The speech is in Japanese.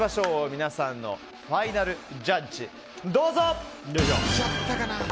皆さんのファイナルジャッジどうぞ！